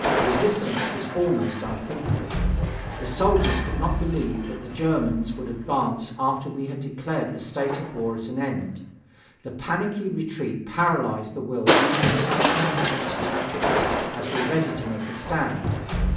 Resistance was almost unthinkable. The soldiers could not believe that the Germans would advance after we had declared the state of war at an end. The panicky retreat paralyzed the will even of such individual detachments as were ready to make a stand.